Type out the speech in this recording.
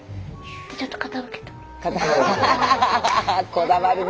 こだわるね。